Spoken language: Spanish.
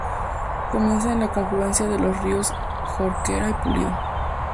Comienza en la confluencia de los ríos Jorquera y Pulido.